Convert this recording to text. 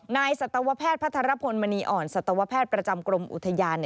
นายศตวแพทย์พระธารพลมณีอ่อนศตวแพทย์ประจำกรมอุทยาน